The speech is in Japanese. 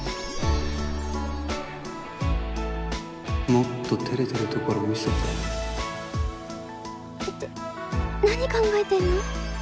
もっと照れてるところを見せてって何考えてんの！